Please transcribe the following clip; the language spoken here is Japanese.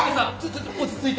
ちょっと落ち着いて！